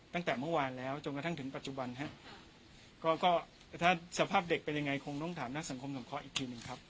ตั้งแต่เมื่อวานแล้วจนกระทั่งถึงปัจจุบันฮะก็ก็ถ้าสภาพเด็กเป็นยังไงคงต้องถามนักสังคมสงเคราะห์อีกทีหนึ่งครับ